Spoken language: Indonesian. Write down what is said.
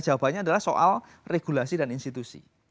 jawabannya adalah soal regulasi dan institusi